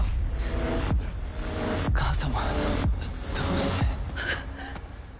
母様どうして？